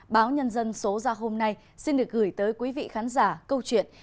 báo nhân dân số ra hôm nay xin được gửi tới quý vị khán giả câu chuyện